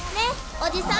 おじさん。